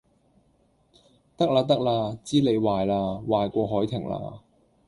得喇得喇，知你壞喇，壞過凱婷喇